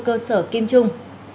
cơ sở kim trung